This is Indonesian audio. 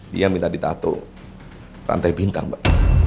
dia minta di tato rantai bintang mbak